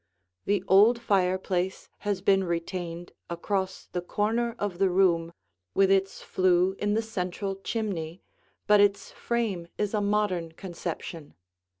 The old fireplace has been retained across the corner of the room with its flue in the central chimney, but its frame is a modern conception.